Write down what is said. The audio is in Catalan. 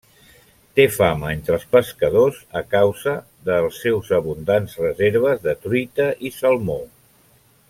Té fama entre els pescadors a causa dels seus abundants reserves de truita i salmó.